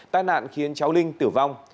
tai nạn khiến cháu linh tử vong